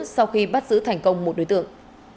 sau khi bắt giữ thành công một đối tượng